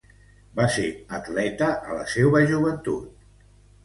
Va ser atleta a la seua joventut.